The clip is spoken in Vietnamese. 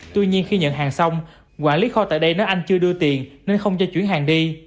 tuy nhiên khi nhận hàng xong quản lý kho tại đây nếu anh chưa đưa tiền nên không cho chuyển hàng đi